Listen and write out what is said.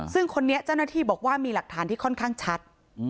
ซึ่งคนนี้เจ้าหน้าที่บอกว่ามีหลักฐานที่ค่อนข้างชัด